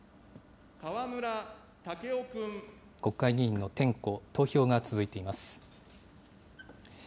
国会議員の点呼、投票が続いています。